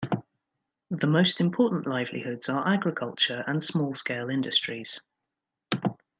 The most important livelihoods are agriculture and small-scale industries.